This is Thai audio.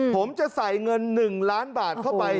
ผมจะใส่เงิน๑ล้านบาทเข้าไป